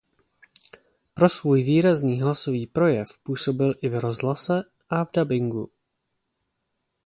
Pro svůj výrazný hlasový projev působil i v rozhlase a v dabingu.